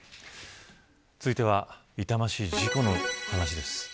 続いては痛ましい事故の話です。